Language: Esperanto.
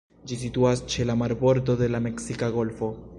Ĝi situas ĉe la marbordo de la Meksika Golfo.